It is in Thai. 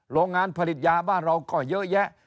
โรงงานผลิตยาบ้านเราก็เยอะแยะ